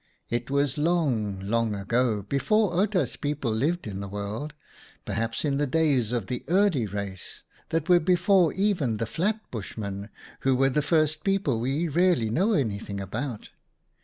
It was long, long ago, before Outa's people lived in the world : perhaps in the days of the Early Race that were before even the Flat Bushmen, who were the first people we really know 56 OUTA KAREL'S STORIES anything about.